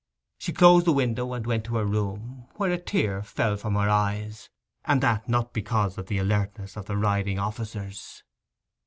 She closed the window and went to her room, where a tear fell from her eyes; and that not because of the alertness of the riding officers.